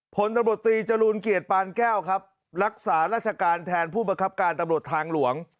ผลตำรวจตรีจรูลเกียรติปานแก้วครับรักษาราชการแทนผู้บังคับการตำรวจทางหลวง